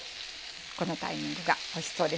このタイミングがおいしそうでしょ。